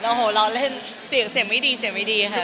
โอ้โหเราเล่นเสียงไม่ดีค่ะ